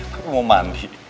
kok mau mandi